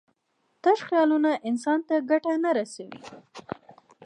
تش خیالونه انسان ته ګټه نه رسوي.